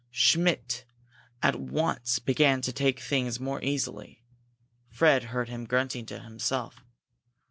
Schmidt at once began to take things more easily. Fred heard him grunting to himself.